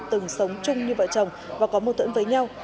từng sống chung như vợ chồng và có một tượng với nhau